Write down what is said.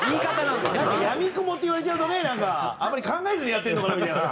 なんか「闇雲」って言われちゃうとねなんかあんまり考えずにやってるのかな？